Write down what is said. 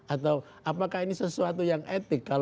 atau apakah ini sesuatu yang etik